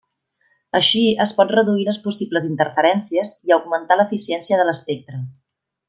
Així es pot reduir les possibles interferències i augmentar l'eficiència de l'espectre.